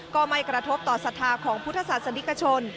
ก็ไม่กระทบต่อศรัทธาของพุทธศาสนิกชน